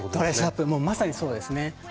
もうまさにそうですね。